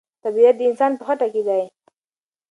طبیعت د انسان په خټه کې دی.